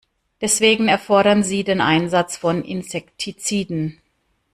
Deswegen erfordern sie den Einsatz von Insektiziden.